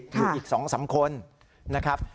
อยู่อีก๒๓คนนะครับ